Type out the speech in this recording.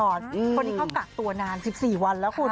คนนี้เขากักตัวนาน๑๔วันแล้วคุณ